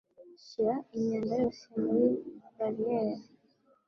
Shira imyanda yose muri barriel.